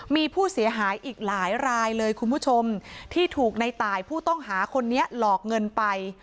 มีผู้เสียหายอีกหลายรายเลยคุณผู้ชมที่ถูกในตายผู้ต้องหาคนนี้หลอกเงินไป